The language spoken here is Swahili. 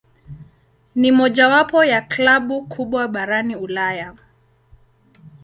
Ni mojawapo ya klabu kubwa barani Ulaya.